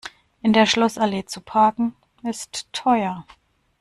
In der Schlossallee zu parken, ist teuer.